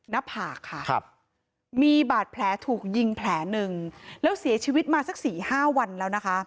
นับผากมีบาดแผลถูกยิงแผลหนึ่งแล้วเสียชีวิตมาสัก๔๕วันแล้ว